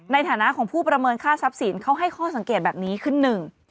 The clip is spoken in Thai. ในฐานะของผู้ประเมินค่าทรัพย์สินเขาให้ข้อสังเกตแบบนี้คือหนึ่ง